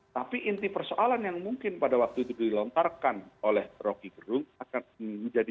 tapi inti persoalan yang mungkin pada waktu itu dilontarkan oleh rocky gerung akan menjadi